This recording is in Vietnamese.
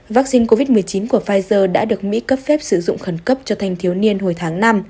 vắc xin covid một mươi chín của pfizer đã được mỹ cấp phép sử dụng khẩn cấp cho thành thiếu niên hồi tháng năm